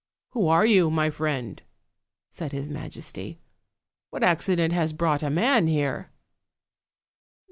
"Who are you, my friend?" said his majesty. "What accident has brought a man here?"